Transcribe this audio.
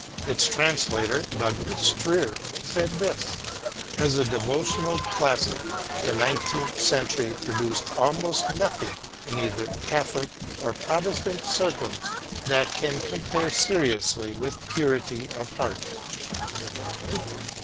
Its translator, Douglas Steere, said this: "As a devotional classic, the nineteenth century produced almost nothing in either Catholic or Protestant circles that can compare seriously with Purity of Heart."